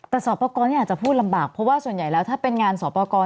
แต่สอบประกอบนี่อาจจะพูดลำบากเพราะว่าส่วนใหญ่แล้วถ้าเป็นงานสอบประกอบ